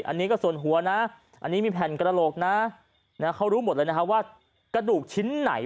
อันนี้ก็ส่วนหัวนะอันนี้มีแผ่นกระโหลกนะเขารู้หมดเลยนะฮะว่ากระดูกชิ้นไหน